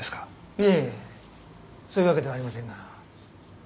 いえそういうわけではありませんが。